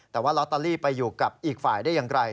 แต่ว่าลอตเตอรี่ไปอยู่กับอีกฝ่ายได้อย่างไร